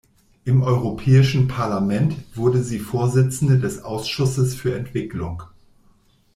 Im Europäischen Parlament wurde sie Vorsitzende des Ausschusses für Entwicklung.